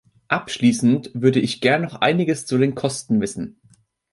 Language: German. Abschließend würde ich gern noch einiges zu den Kosten wissen.